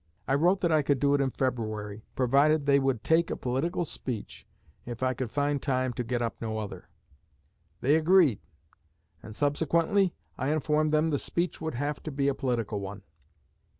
I wrote that I could do it in February, provided they would take a political speech if I could find time to get up no other. They agreed; and subsequently I informed them the speech would have to be a political one.